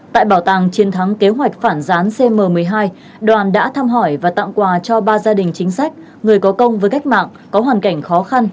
tại bảo tàng chiến thắng kế hoạch phản gián cm một mươi hai đoàn đã thăm hỏi và tặng quà cho ba gia đình chính sách người có công với cách mạng có hoàn cảnh khó khăn